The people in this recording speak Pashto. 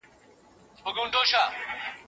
خلګو له ډېر پخوا د عدالت غوښتنه کړې وه.